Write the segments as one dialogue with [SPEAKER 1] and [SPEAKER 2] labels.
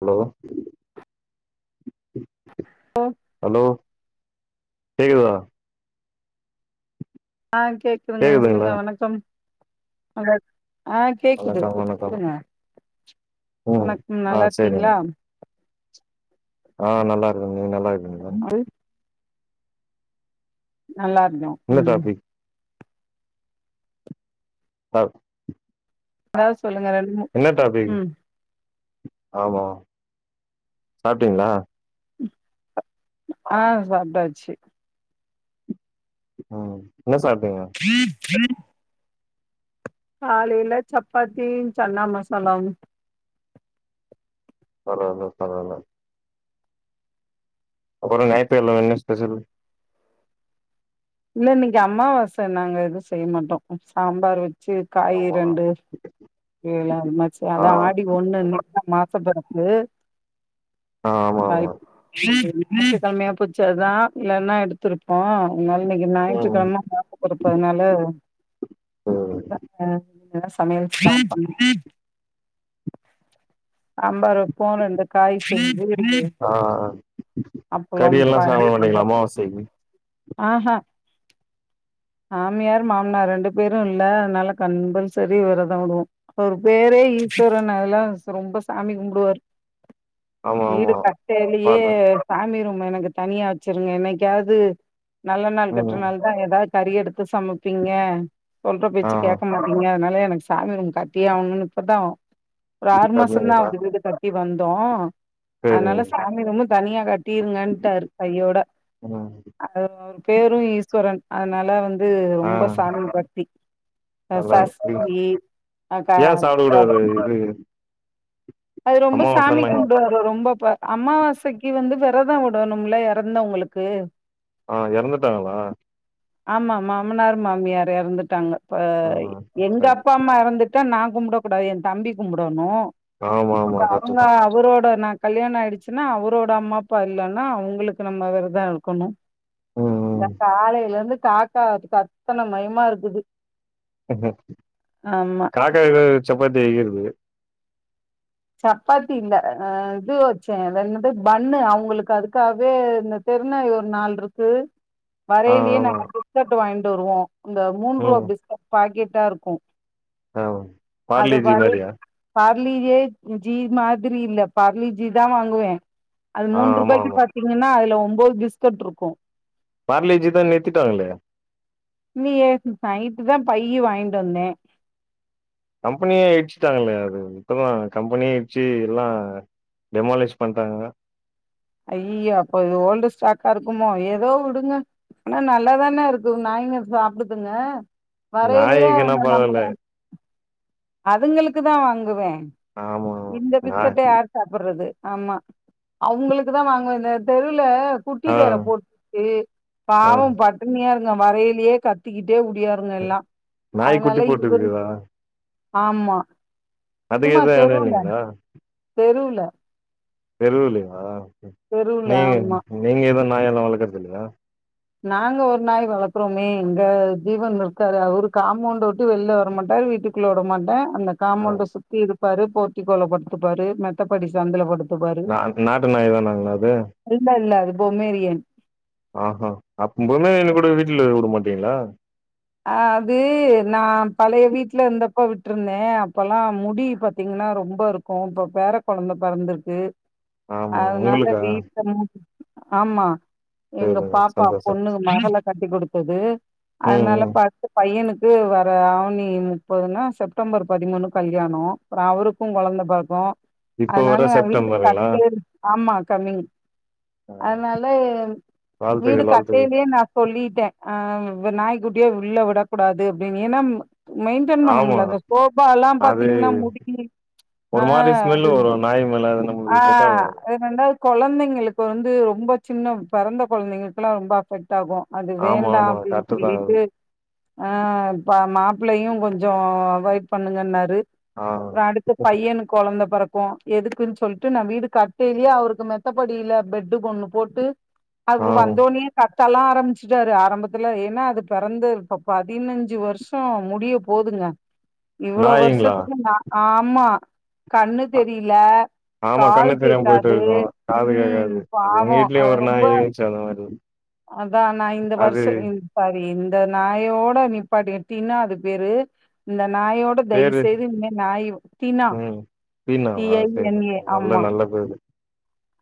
[SPEAKER 1] Allow
[SPEAKER 2] ஓ
[SPEAKER 1] hello கேக்குதா
[SPEAKER 2] ஆஹ் கேக்குதுங்க
[SPEAKER 1] கேக்குதுங்களா
[SPEAKER 2] சொல்லுங்க வணக்கம் அட ஆஹ் கேக்குது
[SPEAKER 1] வணக்கம் வணக்கம்
[SPEAKER 2] சொல்லுங்க
[SPEAKER 1] ம்
[SPEAKER 2] வணக்கம்
[SPEAKER 1] ஆ
[SPEAKER 2] நல்லாருக்கிங்ளா
[SPEAKER 1] ஆஹ் நல்லா இருக்கொங் நீங்க நல்லா இருக்கிங்ளா
[SPEAKER 2] அது நல்லா இருக்யோ
[SPEAKER 1] என்ன
[SPEAKER 2] உம்
[SPEAKER 1] டாபிக் தாப்
[SPEAKER 2] நஸ் சொல்லுங்க ரெண்ட்மூ உம்
[SPEAKER 1] ஆமா சாப்டீங்ளா
[SPEAKER 2] ஆஹ் சாப்டாச்சி
[SPEAKER 1] ம் என்ன சாப்டீங்க
[SPEAKER 2] காலைல சப்பாத்தீ சன்னா மசாலாவு
[SPEAKER 1] பரவால்ல பரவால்ல அப்பறொ நாயித்துக்கெழ்ழ என்ன ஸ்பெஷல்
[SPEAKER 2] இல்ல இன்னைக்கு அம்மாவாச நாங்க எது செய்ய மாட்டோ சாம்பார் வெச் ச்சு காயி
[SPEAKER 1] ஆமா
[SPEAKER 2] ரெண்டு ஈலா இம்மாச்சி
[SPEAKER 1] ஆ
[SPEAKER 2] அதா ஆடி ஒண்ணு [unintelligible] வர்ஷபெறப்பு
[SPEAKER 1] ஆ ஆமா ஆமா
[SPEAKER 2] காய் ஞாயிற்று கெழமயா போச்சி அதா இல்லன்னா எடுத்துருப்போ அதனால இன்னைக்கு
[SPEAKER 1] ம்
[SPEAKER 2] ஞாயிற்றுக்கெழம மாசப்பொறப்பு அதனால
[SPEAKER 1] ம்
[SPEAKER 2] ஆ ன சமையல் [inaudible] சாம்பாருக்கு ரெண்டு காய் செஞ்சு
[SPEAKER 1] ஆஹ் ஆ கறி
[SPEAKER 2] அப்பளம்
[SPEAKER 1] எல்லா சாப்ட
[SPEAKER 2] பாயாசம்
[SPEAKER 1] மாட்டிங்ளா அமாவாசைக்கு
[SPEAKER 2] ஆஹா மாமியார் மாமனார் ரெண்டு பேரு இல்ல அதனால கம்பல்சரி வெரத் [unintelligible] அவரு பேரே ஈஸ்வரன் அதெல்லா ரொம்ப சாமி கும்பிடுவாரு
[SPEAKER 1] ஆமா
[SPEAKER 2] வீடு
[SPEAKER 1] ஆமா
[SPEAKER 2] கட்டேலயே
[SPEAKER 1] பாத்தே
[SPEAKER 2] சாமி ரூம் எனக்கு தனியா வச்சிருங்க என்னைக்காவது நல்ல நாள் கெட்ட
[SPEAKER 1] ம்
[SPEAKER 2] நாள் தா எதா கறி எடுத்து சமப்பீங்க சொல்ற
[SPEAKER 1] ஆ
[SPEAKER 2] பேச்சு கேட்க மாட்டீங்க அதுனால சாமி ரூம் கட்டியே ஆகணும்னு இப்பதா ஒரு ஆறு மாசம் தான்
[SPEAKER 1] கர்ணங்களா
[SPEAKER 2] ஆகுது வீடு கட்டி வந்தோம்
[SPEAKER 1] சேரிங்க
[SPEAKER 2] அதுனால சாமி ரூமு தனியா கட் டிருகன்டாரு கையோட
[SPEAKER 1] ம்
[SPEAKER 2] அவரு பேரும் ஈஸ்வரன் அதுனால வந் து
[SPEAKER 1] ஆ
[SPEAKER 2] ரொம்ப சாமி பக்தி ச
[SPEAKER 1] நல்லா இருக்கு
[SPEAKER 2] சஷ்டி
[SPEAKER 1] ஏன் சாப்ட கூடாது இது
[SPEAKER 2] [unintelligible] அது ரொம்ப சாமி
[SPEAKER 1] அம்மாவாசன்லா
[SPEAKER 2] கும்பிடுவாரு ரொம் ரொம்ப ப அமாவாசைக்கு வந்து வெரதம் விடணும்ல இறந்தவங்களுக்கு
[SPEAKER 1] ஆஹ் இறந்துட்டாங்களா
[SPEAKER 2] ஆமா மாமனார் மாமியார் இறந்துட்டாங்க இப்ப
[SPEAKER 1] ஆ
[SPEAKER 2] எங்
[SPEAKER 1] சரி
[SPEAKER 2] அப் எங்கம்மா இறந்துட்டா நான் கும்டக் கூடாது என் தம்பி கும்டணும்
[SPEAKER 1] ஆமா ஆமா
[SPEAKER 2] இப்ப அவுங்க
[SPEAKER 1] கரெக்ட்டுதா
[SPEAKER 2] அவரோட நா கல்யாணம் ஆயிடுச்சுன்னா அவரோட அம்மா அப்பா இல்லன்னா அவுங்களுக்கு நம்ம விரதம் இருக்கணும் இந்த
[SPEAKER 1] ம்
[SPEAKER 2] காலேல இருந்து காக்கா கத்தன மயமா இருக்குது ஆமா
[SPEAKER 1] காக்காக்கு சப்பாத்தி வைக்கற து
[SPEAKER 2] சப்பாத்தி இல்ல அஹ் இது வச்சேன் அது என்னது பண்ணு அவுங்களுக்கு அதுக்காவே இந்த தெருநாய் ஒரு நால்ருக்கு
[SPEAKER 1] ஆ
[SPEAKER 2] வரேலயே
[SPEAKER 1] ஆமா
[SPEAKER 2] நாங்க பிஸ்கட் வாங்கிட் ட்டு வருவோம் இந்த மூன்று ருவா பிஸ்கெட் பாக்கெட் கரெட்டா இருக்கும்
[SPEAKER 1] ஆ பார்லேஜி மாரியா
[SPEAKER 2] [unintelligible] ஜீ மாதிரி இல்ல பார்லி ஜீ தான் வாங்குவேன் அது
[SPEAKER 1] ஆ
[SPEAKER 2] மூன்று
[SPEAKER 1] ஆமா
[SPEAKER 2] ரூபாய்க்கு
[SPEAKER 1] ஆமா
[SPEAKER 2] பாத்தீங்கன்னா அதுல ஒம்போத் பிஸ்கட் இருக்கு
[SPEAKER 1] பார்லேஜித நிறுத்திட்டாங்களே
[SPEAKER 2] இல்லையேய் நைட்டு தா பையி வாங்கிட்டு வந்தே
[SPEAKER 1] கம்பெனியே இடிச்சுட்டாங்கலே அது இப்பதா கம்பெனியே இடிச்சு எல்லா டெமாலிஷ் பண்டாங்க
[SPEAKER 2] ஐயயோ அப்போது ஓல்டு ஸ்டாக்கா இருக்குமோ ஏதோ விடுங்க ஆனா நல்லாதானே இருக்கு நாய்ங்க சாப்பிடுதுங்க
[SPEAKER 1] நாய்க்குனா பரவால
[SPEAKER 2] அதுங்களுக்கு தா வாங்குவே
[SPEAKER 1] ஆமா ஆமா
[SPEAKER 2] இந்த
[SPEAKER 1] நாய்
[SPEAKER 2] பிஸ்கட்ட யார் சாப்பிட்றது ஆமா அவங்களுக்கு தா வாங்குவ இந்த தெரு ல குட்டி
[SPEAKER 1] ஆ
[SPEAKER 2] வேற போட்க்கு
[SPEAKER 1] ஆ
[SPEAKER 2] பாவ பட்டினியா இரு நா வரையிலயே கத்திக் டியே ஒடியாருங்க எல்லா
[SPEAKER 1] நாய் குட்டி
[SPEAKER 2] அதனால இவரு
[SPEAKER 1] போட்டுருக்குதா
[SPEAKER 2] ஆமா
[SPEAKER 1] அதுக்கு
[SPEAKER 2] சும்மா
[SPEAKER 1] எத இட
[SPEAKER 2] தெருவுல
[SPEAKER 1] இல்லைங்களா
[SPEAKER 2] தெருவுல
[SPEAKER 1] தெருவுலையா
[SPEAKER 2] தெருவுல
[SPEAKER 1] நீங்க
[SPEAKER 2] ஆமா
[SPEAKER 1] நீங்க [unintelligible] நாயெல்லா வளக்குறதில்லையா
[SPEAKER 2] நாங்க ஒரு நாய் வளக்குறோமே எங்க ஜீவன் இருக்காரு அவரு காம்பவுண்டவுட்டு வெளில வரமாட்டாரு வீட்டுக்குள்ள விட மாட்ட அந்த
[SPEAKER 1] ஆ
[SPEAKER 2] காமௌண்ட சுத்தி பாரு போத்திகோலப்படுத்து பாரு மெத்தப்படி சந்தலப்ப
[SPEAKER 1] நா நாட்டு நாய் தான நம்மல்து
[SPEAKER 2] இல்ல இல்ல அது பொமேரியன்
[SPEAKER 1] ஆஹா அப்ப பொமேரியன கூட வீட்டுல விட மா [inaudible] டிங்களா
[SPEAKER 2] ஆஹ் அது நா பழைய வீட்ல இந்தப்ப விட்ருந்தே அப்பல்லா முடி பாத்தீங்கன்னா ரொம்பருக்கு இப்ப பேர கொழந்த பெறந்திருக்கு
[SPEAKER 1] ஆமா
[SPEAKER 2] அதனால
[SPEAKER 1] உங்களுக்கா
[SPEAKER 2] வீட்ட மு ஆமா எங்க
[SPEAKER 1] சேரிங்க
[SPEAKER 2] பாப்பா
[SPEAKER 1] சந்தோஷம்
[SPEAKER 2] பொண்ணு மகள கட்டி கொடுத்தது
[SPEAKER 1] ம்
[SPEAKER 2] அதனால
[SPEAKER 1] ம்
[SPEAKER 2] பையனுக்கு வர ஆவணி முப்பதுன்னா செப்டம்பர் பதிமூணு கல்யாணோ அப்புற அவருக்கு குழந்த பொறக்கு
[SPEAKER 1] இப்போ
[SPEAKER 2] அதனால
[SPEAKER 1] வர
[SPEAKER 2] வீடு
[SPEAKER 1] செப்டம்பருங்களா
[SPEAKER 2] கட்ட ஆமா கமி அதனால வீடு
[SPEAKER 1] வாழ்த்துக்கள் வாழ்த்துக்கள்
[SPEAKER 2] கட்டையலயே நா சொல்லிட்டே ஆஹ் வி நாய் கு அப்டியே உள்ள விடக்கூடாது அப்டின் ஏன்னா மெயின்டென்
[SPEAKER 1] ஆமா
[SPEAKER 2] பண்ணும்ல அந்த சோபால்லா
[SPEAKER 1] அது
[SPEAKER 2] பாத்தீங்கன்னா முடி
[SPEAKER 1] ஒரு மாரி
[SPEAKER 2] அஹ்
[SPEAKER 1] ஸ்மெல்லு
[SPEAKER 2] அது
[SPEAKER 1] வரு நாய் மேல அது நம்மளுக்கு செட்
[SPEAKER 2] ஆஹ்
[SPEAKER 1] ஆவாது
[SPEAKER 2] ரெண்டாவது குழந்தைங்களுக்கு வந்து ரொம்ப சின்ன பெறந்த குழந்தைங்களுக்கெல்லா ரொம்ப அபெக் ஆகு அது
[SPEAKER 1] ஆமா
[SPEAKER 2] வேண்டா
[SPEAKER 1] ஆமா
[SPEAKER 2] அப்டின்
[SPEAKER 1] கரெக்ட்டு தா அது
[SPEAKER 2] சொல்லிட்டு ஆஹ் இப்ப மாப்பிள்ளையு கொஞ்சோ அவாய்ட் பண்ணுங்கன்னாரு
[SPEAKER 1] ஆ
[SPEAKER 2] அடுத்து பையனுக் கொழந்த பொறக் கு எதுக்குன் சொல்ட்டு நா வீடு கட்டையிலயே அவருக்கு மெத்தப்படியில பெட்டு ஒண்ணு போட்டு
[SPEAKER 1] ஆ
[SPEAKER 2] அவுரு வந்தவொனேயே க தலா ஆரம்பிச்சுட்டாரு ஆரம்பத்துல ஏன்னா அது பெறந்து இப்ப பதினஞ்சு வர்ஷோ முடிய போதுங்க இவ்வளோ
[SPEAKER 1] நாய்ங்களா
[SPEAKER 2] வருஷத்துக்கு நா ஆமா கண்ணு தெரில
[SPEAKER 1] ஆமா
[SPEAKER 2] காது
[SPEAKER 1] கண்ணு தெரியாம போயிட்டு
[SPEAKER 2] கேட்காது
[SPEAKER 1] இருக்கு காது
[SPEAKER 2] உம்
[SPEAKER 1] கேக்காது எங்க
[SPEAKER 2] பாவம்
[SPEAKER 1] வீட்லயு
[SPEAKER 2] அது
[SPEAKER 1] ஒரு
[SPEAKER 2] ரொம்ப
[SPEAKER 1] நாய் இருந்துச்சு அந்த மாரி
[SPEAKER 2] அதா நா இந்த
[SPEAKER 1] அது
[SPEAKER 2] வருஷ இந் இந்த நாயோட நிப்பாட்டிங் டினா அது பேரு இந்த நாயோட தயவு
[SPEAKER 1] பேரு
[SPEAKER 2] செய்து இனிமே நாய் டினா
[SPEAKER 1] ம்
[SPEAKER 2] டி
[SPEAKER 1] பீனாவா
[SPEAKER 2] ஐ
[SPEAKER 1] சரி
[SPEAKER 2] என் ஏ
[SPEAKER 1] ஓகே நல்ல
[SPEAKER 2] ஆமா
[SPEAKER 1] நல்ல பேரு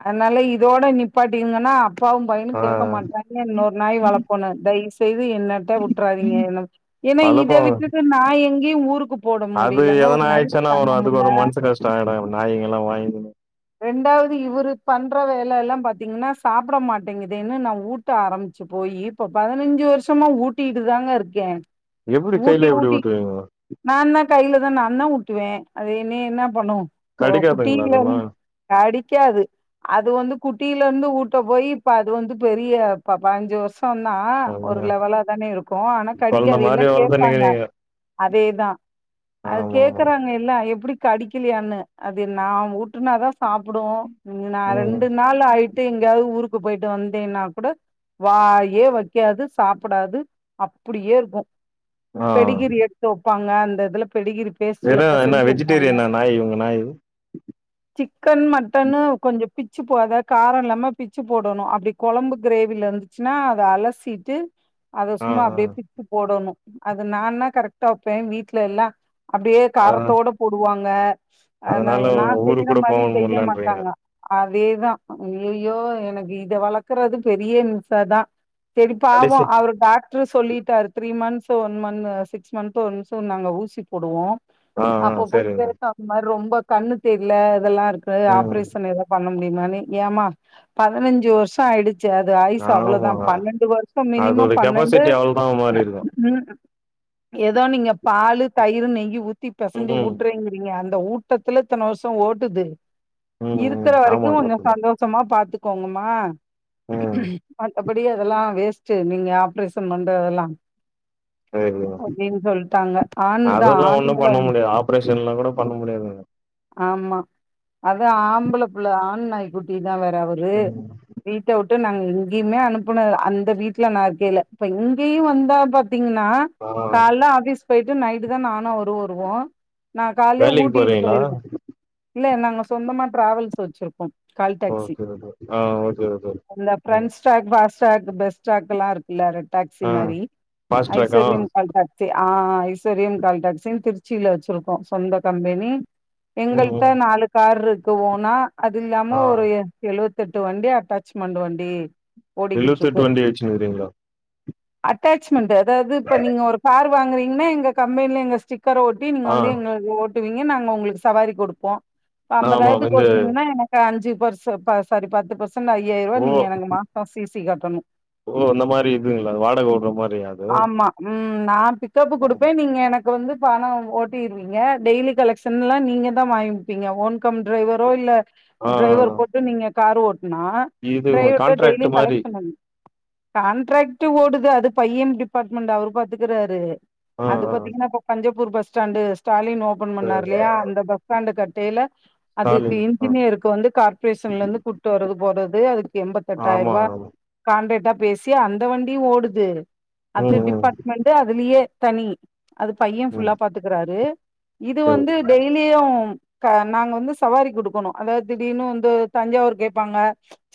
[SPEAKER 2] அதனால இதோட நிப்பாட்டிக்குங்கன்னா அப்பாவு பையனு
[SPEAKER 1] ஆ
[SPEAKER 2] கேட்க மாட்டாங்க இன்னொரு நாய் வளப்பொனு தயவு செஞ் இது என்னட்ட உட்டுறாதீங்க ஏன்னா இத
[SPEAKER 1] அலப்போ
[SPEAKER 2] விட்டுட்டு நா எங் கீ ஊருக்குப்
[SPEAKER 1] அது எதனா ஆயிடுச்சன்னா வரும் அதுக்கு ஒரு மனசு கஷ்டம் ஆயிடு நாய்ங்கல்லா [unintelligible]
[SPEAKER 2] ரெண்டாவது இவரு பண்ற வேலல்லா பாத்தீங்கன்னா சாப்ட மாட்டேங்குது இன்னு நா ஊட்ட ஆரம்பிச்சு போய் இப்ப பதினஞ்சு வருஷமா ஊட்டிட்டுதாங்க இருக்கே
[SPEAKER 1] எப்டி
[SPEAKER 2] ஊட்டி
[SPEAKER 1] கையில எப்டி
[SPEAKER 2] ஊட்டி
[SPEAKER 1] ஓட்டுவீங்க
[SPEAKER 2] நான்தா கையில தா நா நா ஊட்டுவே அது என்னிய என்ன பண்ணு
[SPEAKER 1] கடிக்காதுங்களா அதெல்லா
[SPEAKER 2] குட்டிலருந்து டாடி க்காது அது வந்து குட்டில இருந்து ஊட்ட போய் இப்ப அது வந்து பெரிய ப பயினஞ்சு வருஷ ஷம்தா
[SPEAKER 1] ஆமா
[SPEAKER 2] ஒரு லெவலா தானே இருக்கு ஆனா
[SPEAKER 1] கொழந்த
[SPEAKER 2] கடிக்காது எல்லா
[SPEAKER 1] மாரி
[SPEAKER 2] கேப்பாங்க
[SPEAKER 1] வளத்துனுக்கிறீங்க
[SPEAKER 2] அதேதா அது
[SPEAKER 1] ஆமா ஆமா
[SPEAKER 2] கேக்குறாங்க எல்லா எப்புடி கடிக்கலையான்னு அது நா ஊட்டுனாதா சாப் ப்புடு நா
[SPEAKER 1] ம்
[SPEAKER 2] ரெண்டு நாள் ஆயிட்டு எங்கயாவது ஊருக் கு போயிட்டு வந்தேன்னா கூட வாயே வைக்காது சாப்பிடாது அப்படியே இருக்கு பெடிகிரி எட்த்துவப்பாங் நா அந்த இதுல பெடிகிரி பேஸ்ட்ல
[SPEAKER 1] வெறு என்ன
[SPEAKER 2] பெசஞ்சு வைப்பாங்க
[SPEAKER 1] வெஜிடேரியனா நாய் உங்க நாயி
[SPEAKER 2] கன் மட்டனு கொஞ்சப் பிச்சு போ அத காரம் இல்லாம பிச்சு போடணு அப்படி கொழம்பு கிரேவில இருந்துச்சுன்னா அத அலசிட்டு அத
[SPEAKER 1] ஆ
[SPEAKER 2] சும்மா
[SPEAKER 1] ஆ
[SPEAKER 2] அப்டியே பிச்சு போடணு அது நான்னா கரெக்ட்டா வெப்பே வீட்ல எல்லா அப்டியே
[SPEAKER 1] அ
[SPEAKER 2] காரத்தோட போடுவாங் க
[SPEAKER 1] அதனால ஊருக்கூட போ
[SPEAKER 2] செய்ய மாட்டாங்க அத் அதேதா அய்யய்யோ எனக்கு இத வளக்கறது பெரிய இம்சதா செரி பாவோ
[SPEAKER 1] கடைசி
[SPEAKER 2] அவுரு பாக் ட்டு சொல்லிட்டாரு three months one month six month once நாங்க ஊசி போடுவோ
[SPEAKER 1] ஆ ஆ
[SPEAKER 2] அப்போ போய்
[SPEAKER 1] சரிங்க
[SPEAKER 2] கேட்டா அந்த மாரி ரொம்பொ கண்ணு தெர்ல அதெல்லா இர் து
[SPEAKER 1] ம்
[SPEAKER 2] ஆப்ரேஷன் ஏதோ பண்ண [unintelligible] ஏமா பதினஞ்சு வருஷோ ஆயிடுச் ச்சு அது ஆயுசு அவ்ளோதா
[SPEAKER 1] ஆமாங்க
[SPEAKER 2] பன்னண்டு வருஷோ மினிமம்
[SPEAKER 1] அதோட
[SPEAKER 2] பன்னண்டு
[SPEAKER 1] கெப்பாசிட்டி
[SPEAKER 2] [unintelligible]
[SPEAKER 1] அவ்ளோதா மாறி இருக்கு
[SPEAKER 2] பண்ணன்டு ஏதோ நீங்க பாலு தயிரு நெயி ஊத் த்தி
[SPEAKER 1] ம்
[SPEAKER 2] பெசஞ்சு
[SPEAKER 1] ம்
[SPEAKER 2] ஊட்றருங்கிறீங்க அந்த ஊத்தி பட்டத்துல இத்தன வருஷோ ஓட்டுது
[SPEAKER 1] ம்
[SPEAKER 2] இருக்குற
[SPEAKER 1] ஆமா
[SPEAKER 2] வரைக்யு கொஞ்சோ
[SPEAKER 1] கத்துக்கோ
[SPEAKER 2] சந்தோஷமா பாத்து க்கோங்கமா
[SPEAKER 1] ம்
[SPEAKER 2] மத்தபடி அதெல்லா வேஸ்ட் செரி நீங்க ஆப்ரேசன் பண்றதெல்லா
[SPEAKER 1] [unintelligible] செரி
[SPEAKER 2] அப்டின்னு சொல்ட்டாங்க ஆண் தா
[SPEAKER 1] அதெல்லா ஒண்ணு
[SPEAKER 2] ஆண்கள
[SPEAKER 1] பண்ண முடியாது ஆப்ரேஷனெல்லா கூட பண்ண முடியாதுங்க
[SPEAKER 2] ஆமா அது ஆம்பள புள்ள ஆண் நாய் குட்டி தா வேற அவுரு
[SPEAKER 1] ம்
[SPEAKER 2] வீட்ட ட்டு நாங்க எங்கயுமே அனுப்பள அந்த வீட்ல நா இருக்கயிலே இப்ப இங்கெயு வந்தா ப தீங்னா
[SPEAKER 1] ஆ
[SPEAKER 2] கால்ல ஆபீஸ் போய்ட்டு நைட்டு தா நானு அவுரு வருவோ நா கால்லே
[SPEAKER 1] வேலைக்கு
[SPEAKER 2] ஊட்டிட்
[SPEAKER 1] போறீங்களா
[SPEAKER 2] போய்ருவ இல்ல நாங்க சொந்தமா ட்ரேவல்ஸ் வெச்சுருக்கோ
[SPEAKER 1] ஓகே ஓகே ஆஹ் ஓகே ஓகே
[SPEAKER 2] அந்த
[SPEAKER 1] ஆஹ்
[SPEAKER 2] friends talk fast talk best டாகெல்லா இருக் இல்ல ரெட் டேக்ஸி
[SPEAKER 1] ஆ
[SPEAKER 2] மாரி
[SPEAKER 1] ஃபாஸ்ட் ட்ராக்கா
[SPEAKER 2] ஐஸ்வர்யம் கால்டேக்ஸி ஆஹ் ஐஸ்வவர்யம் கால் டேக்ஸின்னு திருச்சில வெச்சுருக்கோ சொந்த கம்பெனி
[SPEAKER 1] ம்
[SPEAKER 2] எங்கள்ட்ட
[SPEAKER 1] ம்
[SPEAKER 2] நாலு கார் இருக்குவோனா அது இல்லாம
[SPEAKER 1] ஆ
[SPEAKER 2] ஒரு எழுப தெட்டு வண்டி அட்டேச்மெண்ட் வண்டி
[SPEAKER 1] எழுவத்தெட்டு வண்டி வெச்சுன்னுக்கிறீங்களா
[SPEAKER 2] அட்டேச்மெண்ட் அதாவ்து இப்ப நீங்க ஒரு கார் வாங்குறீங்கன்னா எங்க கம்பேனில எங்க ஸ்டிக் சார் ஓட்டின்னு நீங்க
[SPEAKER 1] ஆ
[SPEAKER 2] வந்து எங்களுக்கு ஓட் ஒட்டுவீங்க நாங்க உங்களுக்கு சவாரி கொடுப்போம் ப்ப
[SPEAKER 1] ஆமா
[SPEAKER 2] ஐம்பதாயிரத்து
[SPEAKER 1] இந்த
[SPEAKER 2] ஓடட்டனீங்கன்னா எனக்கு அஞ்சு பார்சு பா சாரி பத்து பெர்சென்ட் [unintelligible] ஐயாயிரம் ரூபா
[SPEAKER 1] ஓ
[SPEAKER 2] நீங்க எனக்கு மாசம் சிசி கட்டணும்
[SPEAKER 1] ஓ அந்த மாரி இதுங்களா வாடக விடுற மாரியா அது
[SPEAKER 2] ஆமா ம் நான் பிக்கப்பு
[SPEAKER 1] ஆ
[SPEAKER 2] கொடுப்பேன் நீங்க எனக்கு வந்து பணம் ஓட்டிருவீங்க டெய்லி கலெக்ஷன் எல்லாம் நீங்க தான் வாங்கி வைப்பீங்களாம் ஓன்கம் டிரைவரோ இல்ல
[SPEAKER 1] ஆ ஆ.
[SPEAKER 2] டிரைவர் போட்டு நீங்க காரு ஓட் நான்
[SPEAKER 1] இது
[SPEAKER 2] ட்ரைவர்ட்டே டெய்லி
[SPEAKER 1] கான்ட்ராக்ட் மாரி
[SPEAKER 2] கலெக்ட் பண்ணனும் கான்ட்ராக்ட் ஓடுது அது பையன் டிபார்ட்மெண்ட் அவரு பாத்துக்கறாரு
[SPEAKER 1] ஆ
[SPEAKER 2] அது
[SPEAKER 1] ஆ
[SPEAKER 2] பாத்தீங்கன்னா இப்ப Panjappur bus stand Stalin open
[SPEAKER 1] சரி
[SPEAKER 2] பண்ணார் இல்லையா அந்த பஸ்ஸ்டண்ட கட்டி டெய்லர் அதுக்கு
[SPEAKER 1] காலிங் ஆ
[SPEAKER 2] இன்ஜினியருக்கு வந்து கார்ப்பரேஷன்ல இருந்து கூட்டு வர்றது போறது அதுக்கு எண்பத்தி எட்டாயிரம்
[SPEAKER 1] ஆமா
[SPEAKER 2] ரூபா
[SPEAKER 1] ஆமா
[SPEAKER 2] கண்ட்ரெக்டா பேசி அந்த வண்டியும் ஓடுது அது
[SPEAKER 1] ம் ம்
[SPEAKER 2] டிபார்ட்மெண்ட் அதுலயே தனி அது பையன் ஃபுல்லா
[SPEAKER 1] ம்
[SPEAKER 2] பாத்துக்கறாரு இது வந்து
[SPEAKER 1] சரி
[SPEAKER 2] டெய்லியும் ஹ நாங்க வந்து சவாரி கொடுக்கணும் அதாவது திடீர்னு வந்து தஞ்சாவூர் கேட்பாங்க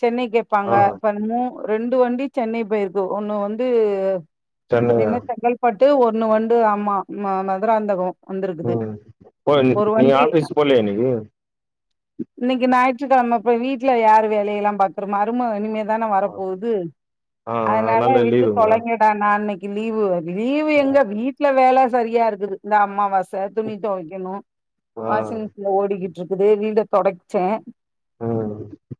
[SPEAKER 2] சென்னை கேட்பாங்க
[SPEAKER 1] ஆ
[SPEAKER 2] இப்போ மு ரெண்டு வண்டி சென்னை போயிருக்கு ஒன்னு வந்து அது
[SPEAKER 1] சென்னையா
[SPEAKER 2] என்ன செங்கல்பட் ஒன்னு வந்து ஆமா மதுராந்தகம்
[SPEAKER 1] ம் போ நீ ஆஃபீஸ் போகலயா இன்னைக்கு.
[SPEAKER 2] இன்னைக்கு ஞாயிற்றுக்கிழமை அப்பு வீட்டு்ல யார் வேலையெல்லாம் பாக்குறது மருமவ இனிமே தானே வரப்போகுது
[SPEAKER 1] ஆ
[SPEAKER 2] அதனால
[SPEAKER 1] லீவுங்களா
[SPEAKER 2] விட்டுதொலைங்கடா நான் இன்னைக்கு லீவு லீவு எங்க வீட்டுல வேல செரியா இருக்குது இந்த அம்மாவாச துணி துவைக்கணும்
[SPEAKER 1] ஆஹ்
[SPEAKER 2] ஓடிற்றுக் இருக்குது வீட தொடச்சேன்
[SPEAKER 1] ம்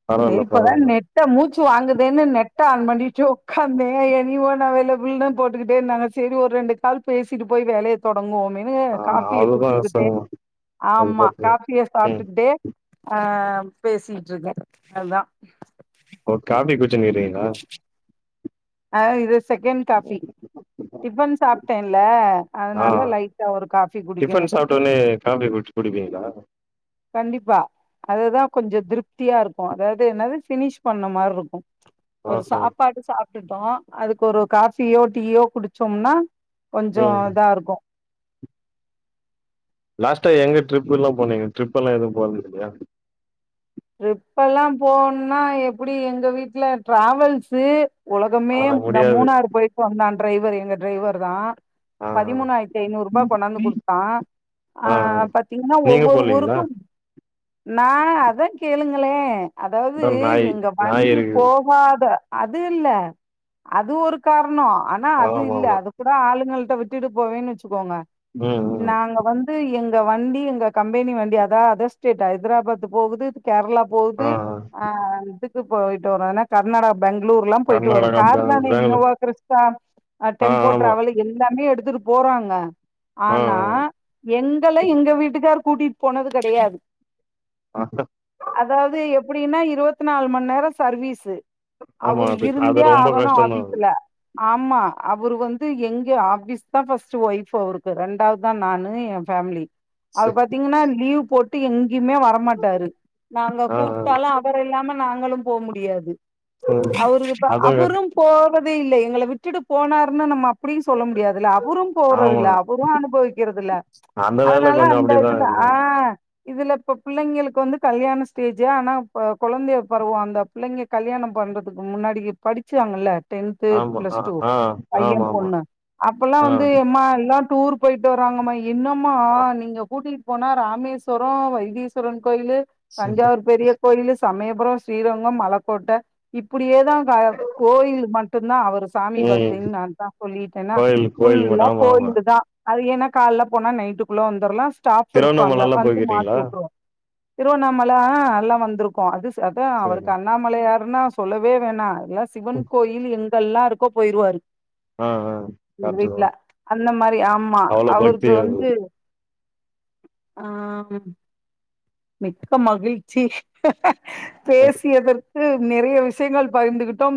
[SPEAKER 1] பரவால்ல
[SPEAKER 2] செரிப்பதான்
[SPEAKER 1] பரவால்ல
[SPEAKER 2] நெட்ட மூச் ஸோ அங்கே தன நெட்டை ஆன் பண்ணிட்டு உட்காந்தேன் எனிவோன் அவைலபிள்னு போட்டுக்கிட்டே இருந்தாங்க செரி ஒரு ரெண்டு கால் பேசிட்டு போய் வேலையை தொடங்குவோம் மேனு
[SPEAKER 1] ஆ
[SPEAKER 2] காபிய
[SPEAKER 1] அவ்ளோதா சோ
[SPEAKER 2] குடிச்சக்கிட்டே
[SPEAKER 1] அது
[SPEAKER 2] ஆமா
[SPEAKER 1] பாத்து
[SPEAKER 2] காபிய
[SPEAKER 1] ம்
[SPEAKER 2] சாப்பிட்டுட்டே ஆஹ் ம் பேசிட்டு இருக்கேன் அத்தான்
[SPEAKER 1] [unintelligible] றீங்கா
[SPEAKER 2] ஆஹ் இது செகண்ட் காபி டிபன் சாப்பிட்டேன்ல
[SPEAKER 1] ஆ
[SPEAKER 2] அதுனால லைட் ட ஒரு காபி குடிக்கும்
[SPEAKER 1] டிஃபன் சாப்ட்டோனே காஃபி குடிச்சு குடிப்பீங்களா
[SPEAKER 2] கண்டிப்பா அதுதான் கொஞ்சோ திருப்தியா இருக்கும் அதாவது என்னது ஃபினிஷ் பண்ண மாரி இருக்கும் ஒரு
[SPEAKER 1] ஆஹா
[SPEAKER 2] சாப்பாடு சாப்ப ட்டுடோம் அதுக்கு ஒரு காபியோ டீயோ குடிச்சோம்னா கொஞ்சோ
[SPEAKER 1] ம்
[SPEAKER 2] இதா இருக்கும்
[SPEAKER 1] லாஸ்ட்டா எங்க ட்ரிப் எல்லா போனீங்க ட்ரிப் எல்லா எதுவும் போறது இல்லயா
[SPEAKER 2] ட்ரிப் எல்லா போனும்னா எப்படி எங்க வீட்டுல டிராவல்ஸு உலகமே
[SPEAKER 1] ஆ
[SPEAKER 2] இந்த
[SPEAKER 1] முடியாது
[SPEAKER 2] மூணாறு போயிட்டு வந்தான் டிரைவர் எங்க டிரைவர் தான்
[SPEAKER 1] ஆ ஆ
[SPEAKER 2] பதிமூணாயிரத்தி ஐந்நூறு ரூபாய் கொண்டாந்து கொடுத்தான்
[SPEAKER 1] ஆ ஆ
[SPEAKER 2] ஆஹ் பாத்தீங்கன்னா
[SPEAKER 1] நீங்க
[SPEAKER 2] ஒவ்வொரு
[SPEAKER 1] போலீங்களா
[SPEAKER 2] ஊருக்கும் நான் அதன் சொல்லுங்களே அதாவது
[SPEAKER 1] இதோ நாய்
[SPEAKER 2] எங்க
[SPEAKER 1] நாய்
[SPEAKER 2] வண்டி
[SPEAKER 1] இருக்குது
[SPEAKER 2] போகாத அது இல்ல அது ஒரு காரண னோம் ஆனா அது இல்ல
[SPEAKER 1] ஆமாமா
[SPEAKER 2] அது கூட ஆளுங்கள் ங்க விட்டு போவேன் வச்சு க்கோங்க
[SPEAKER 1] ம் ம்
[SPEAKER 2] நாங்க வந்து எங் க வண்டி எங்க கம்பெனி வண்டி அதான் அதர் ஸ்டேட் ஐதராபாத் போகுது கேரளா போது
[SPEAKER 1] ஆ ஆ
[SPEAKER 2] அஹ் இது க்கு போயிட்டு வரும் ஆனா கர்நாடகா பெங்களூர் எல்லா போயிட்டு வரும்
[SPEAKER 1] கர்நாடகா
[SPEAKER 2] கார்
[SPEAKER 1] பேங்களூர்
[SPEAKER 2] தான
[SPEAKER 1] பேங்களூர்
[SPEAKER 2] இனோவா கிறிஸ்தா
[SPEAKER 1] ஆ
[SPEAKER 2] டெம்போ
[SPEAKER 1] ஆமா
[SPEAKER 2] டிராவல் எல்லாமே எடுத்து துடு போறாங்க
[SPEAKER 1] ஆ
[SPEAKER 2] ஆனா
[SPEAKER 1] ஆ
[SPEAKER 2] எங்கள எங்க வீட்டுக்கார் கூட்டிட் போனது கெடையாது
[SPEAKER 1] ஆஹ
[SPEAKER 2] அதாவ்து எப்டின்னா இருவத்து நாலு மண் நேரோ சர்வீஸு
[SPEAKER 1] ஆமா
[SPEAKER 2] அவரு
[SPEAKER 1] அது அது
[SPEAKER 2] இருந்தே
[SPEAKER 1] ரொம்ப
[SPEAKER 2] ஆகணு
[SPEAKER 1] கஷ்டந்தா அது
[SPEAKER 2] ஆபீஸுல ஆமா அவரு வந்து எங்க ஆபீஸ் தான் ஃபர்ஸ்ட் ஒய்ஃப் அவருக்கு ரெண்டாவ்துதா நானு ஏ ஃபேம்லி அவர்
[SPEAKER 1] செரி
[SPEAKER 2] பாத்திங்கனா லீவ் டு எங்கய்மே வரமாட்டாரு நாங்க
[SPEAKER 1] ஆ ஆ
[SPEAKER 2] கூப்டாலு அவரில்லாம நாங்களு போ முடியாது
[SPEAKER 1] ம்
[SPEAKER 2] அவருக் இப்ப
[SPEAKER 1] அது
[SPEAKER 2] அவரும் போ பது இல்ல எங்கள விட்டுட்டு போனாருனுு நம்ம அப்டின் சொல்ல முடியாதுல அவ்ரு
[SPEAKER 1] ஆமா
[SPEAKER 2] போறதில்ல அவரு அனுபவிக்கிறதில்ல
[SPEAKER 1] அந்த வேல
[SPEAKER 2] அதனால
[SPEAKER 1] கொஞ்சோ
[SPEAKER 2] அந்த
[SPEAKER 1] அப்டிதா
[SPEAKER 2] இதுல
[SPEAKER 1] இருக்குங்க
[SPEAKER 2] ஆஹ் இதுல இப்ப பிள்ளைங்களுக்கு வந்து கல்யாண ஸ்டேஜு ஆனா கொழந்தைய பருவோ அந்த பிள்ளைங்க கல்யாணம் பண்றதுக்கு முன்னாடி படிச்சாங்கல்ல டென்த்து
[SPEAKER 1] ஆமா
[SPEAKER 2] பிளஸ்
[SPEAKER 1] ஆ
[SPEAKER 2] டூ
[SPEAKER 1] ஆ
[SPEAKER 2] பையெ
[SPEAKER 1] ஆமா ஆமா
[SPEAKER 2] பொண்ணு அப்பல்லா
[SPEAKER 1] ஆ
[SPEAKER 2] வந்து எம்மா எல்லா டூர் பொயிட் வராங்கமாய் என்னமா
[SPEAKER 1] ஆ.
[SPEAKER 2] நீங்க கூட்டி போனா ராமேஸ்வரோ வைத்தீஸ்வரன் கோயிலு தஞ்சாவூர் பெரிய கோயிலு சமயபுரொ ஸ்ரீரங்கொ மலக்கோட்ட இப்டியே தாங்க கோயில் மட் டுந்தா அவர் சாமி
[SPEAKER 1] ம்
[SPEAKER 2] பக்தின் நாந்தா சொல்லிட்டெனா
[SPEAKER 1] கோயில் கோயில் மட்டு
[SPEAKER 2] புல்லா
[SPEAKER 1] ஆமா ஆமா
[SPEAKER 2] கோயிலுதா அது ஏனா கால்ல போனா நைட்டுக்குள்ள வந்துர்லா ஸ்டாஃப்பு இருப்பாங்க
[SPEAKER 1] திருவண்ணாமலல்லா
[SPEAKER 2] வந்து மாத்தி
[SPEAKER 1] போய்க்கிறீங்களா
[SPEAKER 2] உட்ருவோ திருவண்ணாமல் லா அல்லா வந்ருக்கோ அதுஸ் அதா
[SPEAKER 1] சேரி
[SPEAKER 2] அவருக்கு அண்ணாமலையார் ருனா சொல்லவே வேணா யா சிவன் கோயில் எங் கெல்லா இருக்கோ பொயிர்வாரு
[SPEAKER 1] ஆ ஆ
[SPEAKER 2] எங்க
[SPEAKER 1] கரெக்ட்டுதா
[SPEAKER 2] வீட்ல அந்த மாரி ஆமா
[SPEAKER 1] அவ்ளோ பக்தி
[SPEAKER 2] அவருக்கு
[SPEAKER 1] அது
[SPEAKER 2] வந்து ஆஹ் ம [unintelligible] [unintelligible] மிக்க மகிழ்ச்சி
[SPEAKER 1] ஆ
[SPEAKER 2] பேசியது நிறைய விஷயங்கள் பகிர்ந்துகிட்டோம்